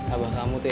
abah kamu tuh ya